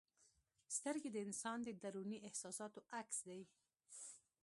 سترګې د انسان د دروني احساساتو عکس دی.